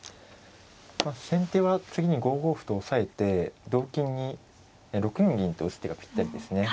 まあ先手は次に５五歩と押さえて同金に６四銀と打つ手がぴったりですね。